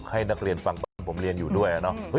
ให้นักเรียนฟังบ้างผมเรียนอยู่ด้วยเนอะ